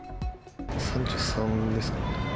３３ですね。